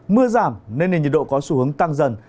mưa giảm nên nền nhiệt độ có xu hướng tăng dần